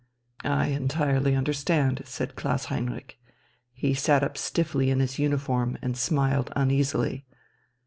"I entirely understand," said Klaus Heinrich. He sat up stiffly in his uniform and smiled uneasily.